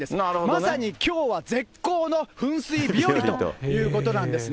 まさにきょうは絶好の噴水日和ということなんですね。